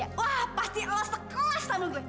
wah pasti lo sekelas sama gue